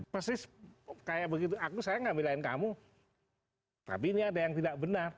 persis kayak begitu aku saya gak milahin kamu tapi ini ada yang tidak benar